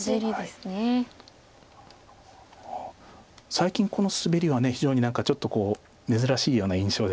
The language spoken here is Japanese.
最近このスベリは非常に何かちょっと珍しいような印象ですよね。